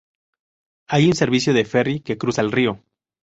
Hay un servicio de ferry que cruza el río.